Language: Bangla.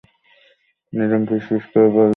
নিজাম ফিসফিস করে বলল, আপা আজ সারাদিন কিছু খায় নাই।